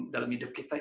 dalam hidup kita